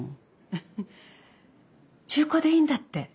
中古でいいんだって。